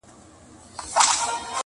ښاخ پر ښاخ پورته کېدى د هسک و لورته،